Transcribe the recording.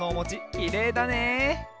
きれいだね。